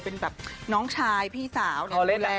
เป็นแบบน้องชายพี่สาวดูแลกัน